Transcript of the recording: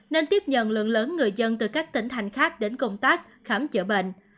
nên tiếp nhận lượng lớn người dân từ các tỉnh thành khác đến công tác khám chữa bệnh